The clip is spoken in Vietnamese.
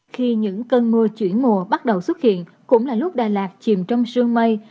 khi những cơn mưa chuyển mùa bắt đầu xuất hiện cũng là lúc đà lạt chìm trong sương mây